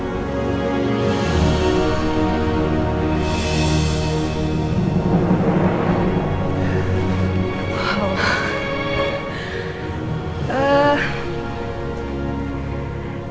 saya harus berpikir